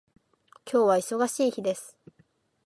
今日は忙しい日です